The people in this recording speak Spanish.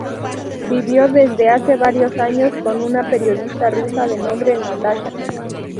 Vivió desde hace varios años con una periodista rusa de nombre Natasha.